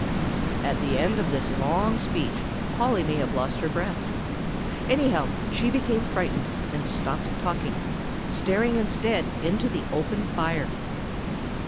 '" At the end of this long speech Polly may have lost her breath. Anyhow, she became frightened and stopped talking, staring instead into the open fire.